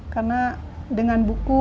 karena dengan buku